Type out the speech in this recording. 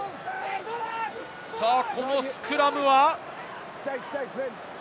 このスクラムは。